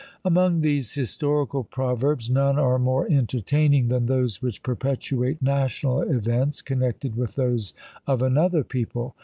Among these historical proverbs none are more entertaining than those which perpetuate national events, connected with those of another people.